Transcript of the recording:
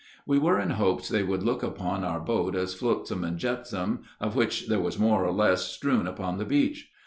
We were in hopes they would look upon our boat as flotsam and jetsam, of which there was more or less strewn upon the beach.